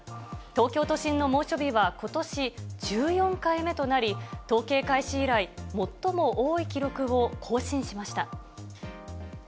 東京都心の猛暑日は、ことし１４回目となり、統計開始以来、最も多い記録を更新しました。